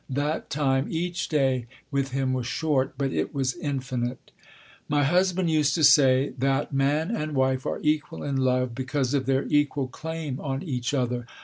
That time, each day, with him was short; but it was infinite. My husband used to say, that man and wife are equal in love because of their equal claim on each other.